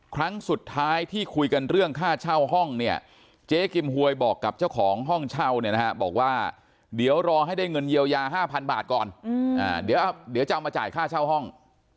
ครั้งสุดท้ายที่คุยกันเรื่องค่าเช่าห้องเนี่ยเจ๊กิมหวยบอกกับเจ้าของห้องเช่าเนี่ยนะฮะบอกว่าเดี๋ยวรอให้ได้เงินเยียวยา๕๐๐บาทก่อนเดี๋ยวจะเอามาจ่ายค่าเช่าห้อง